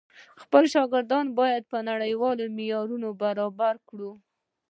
خپل شاګردان بايد په نړيوالو معيارونو برابر کړو.